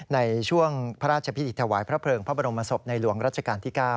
ในช่วงพระราชพิธีถวายพระเพลิงพระบรมศพในหลวงรัชกาลที่๙